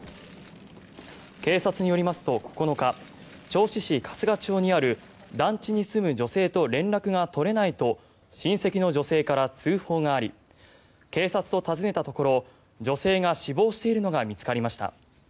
警察によりますと９日銚子市春日町にある団地に住む女性と連絡が取れないと親戚の女性から通報があり警察と訪ねたところ女性が死亡しているのが見つかりました。